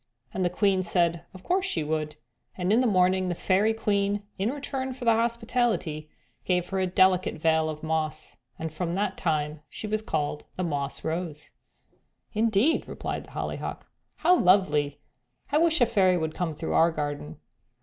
and the Queen said of course she would, and in the morning the Fairy Queen in return for the hospitality gave her a delicate veil of moss, and from that time she was called the 'Moss Rose.'" "Indeed!" replied the Hollyhock. "How lovely; I wish a fairy would come through our garden."